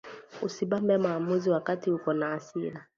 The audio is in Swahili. Usi bambe mahamuzi wakati uko na asira